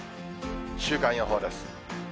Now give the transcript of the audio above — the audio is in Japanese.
週間予報です。